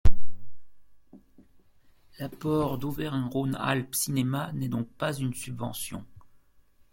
L’apport d'Auvergne-Rhône-Alpes Cinéma n’est donc pas une subvention.